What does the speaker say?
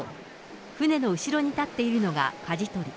船の後ろに立っているのがかじ取り。